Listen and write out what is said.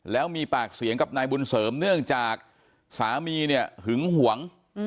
แล้วมีปากเสียงกับนายบุญเสริมเนื่องจากสามีเนี่ยหึงหวง